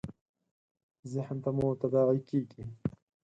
ذهن ته مو تداعي کېږي .